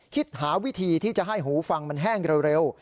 คิดหาวิธีที่จะให้หูฟังมันแห้งเร็ว